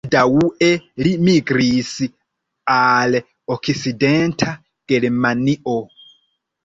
Baldaŭe li migris al Okcidenta Germanio.